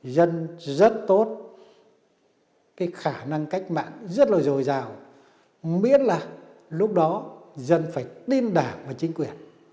dân rất tốt cái khả năng cách mạng rất là dồi dào miễn là lúc đó dân phải tin đảng và chính quyền